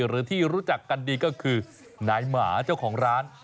หรือที่รู้จักกันดีก็คือนายหมาเจ้าของร้าน